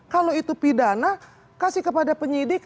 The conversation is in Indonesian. kalau itu pidana kasih kepada penyidik